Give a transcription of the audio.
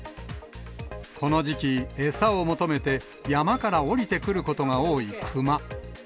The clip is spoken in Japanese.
この時期、餌を求めて山から下りてくることが多いクマ。